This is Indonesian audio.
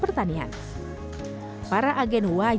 mereka bertugas untuk mengawasi dan melaporkan kegiatan mitra perusahaan